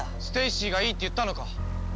ステイシーがいいって言ったのか？